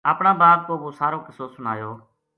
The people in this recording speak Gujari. اپنا باپ کو وہ سارو قصو سنایو